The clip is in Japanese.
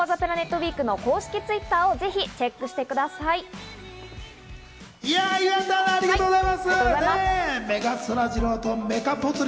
ウィークの公式Ｔｗｉｔｔｅｒをぜひチェックしてください。